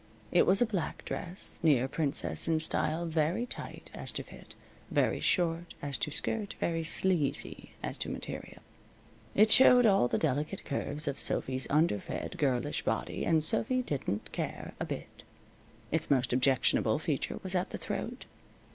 It was a black dress, near princess in style, very tight as to fit, very short as to skirt, very sleazy as to material. It showed all the delicate curves of Sophy's under fed, girlish body, and Sophy didn't care a bit. Its most objectionable feature was at the throat.